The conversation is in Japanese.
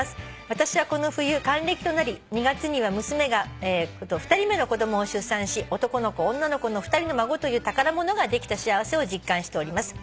「私はこの冬還暦となり２月には娘が２人目の子供を出産し男の子女の子の２人の孫という宝物ができた幸せを実感しております」